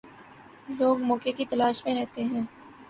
لوگ موقع کی تلاش میں رہتے ہیں۔